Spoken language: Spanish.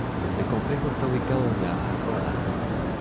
El Complejo está ubicado en la Aguada.